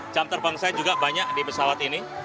jam terbang saya juga banyak di pesawat ini